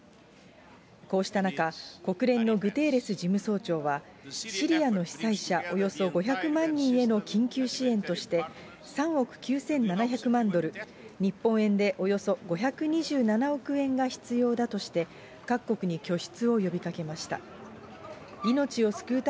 こうした中、国連のグテーレス事務総長は、シリアの被災者およそ５００万人への緊急支援として、３億９７００万ドル、日本円でおよそ５２７億円が必要だとして、各国に拠出を呼びかけました。